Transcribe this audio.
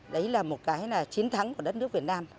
đấy là một cái là chiến thắng của đất nước việt nam